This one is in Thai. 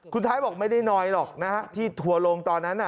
คุณไทร์บอกไม่ได้นอยหรอกนะครับที่ถั่วลงตอนนั้น